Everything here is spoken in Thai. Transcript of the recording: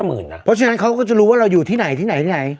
เพราะฉะนั้นเขาก็จะรู้ว่าเราอยู่ที่ไหนที่ไหนที่ไหน